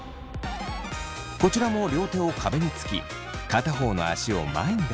こちらも両手を壁につき片方の足を前に出します。